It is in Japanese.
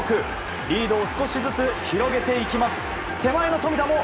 リードを少しずつ広げていきます。